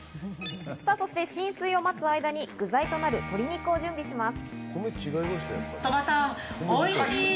さぁそして、浸水を待つ間に具材となる鶏肉を準備します。